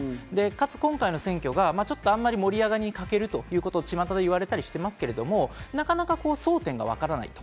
かつ今回の選挙が盛り上がりに欠けるということをちまたで言われたりしていますが、なかなか争点がわからない。